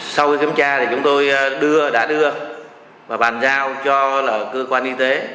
sau khi kiểm tra thì chúng tôi đã đưa và bàn giao cho cơ quan y tế